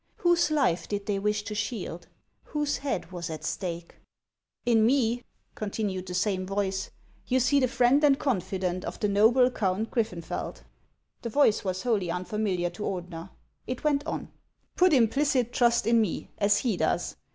Whose life did they wish to shield ? Whose head was at stake ?" In me," continued the same voice, " you see the friend and confidant of the noble Count Griffenfeld." The voice was wholly unfamiliar to Ordener. It went on :" Put implicit trust in me, as he does.